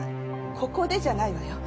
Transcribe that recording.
ここでじゃないのよ。